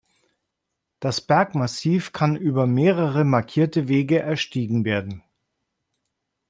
Das Bergmassiv kann über mehrere markierte Wege erstiegen werden.